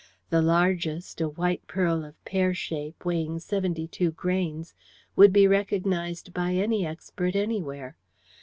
The largest, a white pearl of pear shape, weighing 72 grains, would be recognized by any expert anywhere.